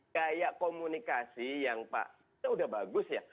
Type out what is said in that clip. kayak komunikasi yang pak itu udah bagus ya